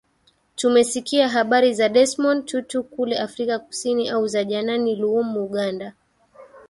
Tumesikia habari za Desmond Tutu kule Afrika Kusini au za Janani Luwum Uganda